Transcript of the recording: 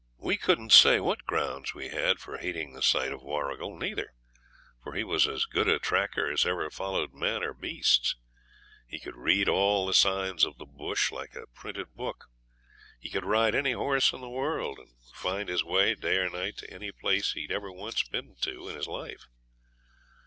We couldn't say what grounds we had for hating the sight of Warrigal neither, for he was as good a tracker as ever followed man or beasts. He could read all the signs of the bush like a printed book. He could ride any horse in the world, and find his way, day or night, to any place he'd ever once been to in his life.